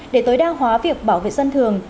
để tối đa hóa việc bảo vệ dân thường